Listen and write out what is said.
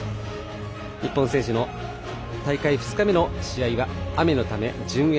日本選手の大会２日目の試合は雨のため、順延。